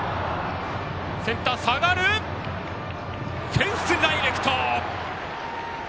フェンスダイレクト！